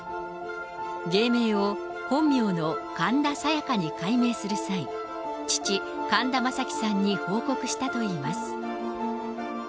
芸名を本名の神田沙也加に改名する際、父、神田正輝さんに報告したといいます。